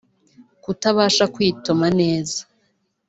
Kutabasha kwituma neza